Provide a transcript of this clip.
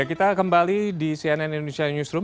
kita kembali di cnn indonesia newsroom